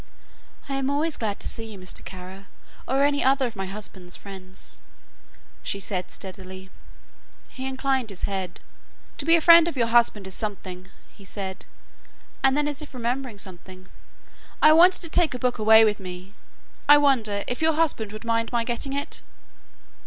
"I am always glad to see you, Mr. Kara, or any other of my husband's friends," she said steadily. He inclined his head. "To be a friend of your husband is something," he said, and then as if remembering something, "I wanted to take a book away with me I wonder if your husband would mind my getting it?"